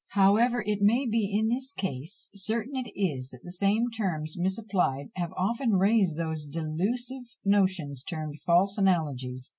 However it may be in this case, certain it is that the same terms misapplied have often raised those delusive notions termed false analogies.